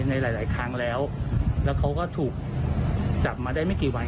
ในหลายครั้งแล้วแล้วเขาก็ถูกจับมาได้ไม่กี่วัน